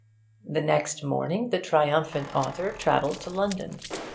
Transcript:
The next morning the triumphant author travelled to London.